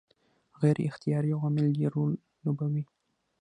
غیر اختیاري عوامل ډېر رول لوبوي.